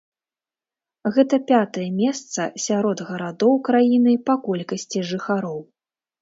Гэта пятае месца сярод гарадоў краіны па колькасці жыхароў.